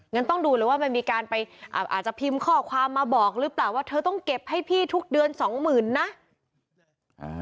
งั้นต้องดูเลยว่ามันมีการไปอาจจะพิมพ์ข้อความมาบอกหรือเปล่าว่าเธอต้องเก็บให้พี่ทุกเดือนสองหมื่นนะ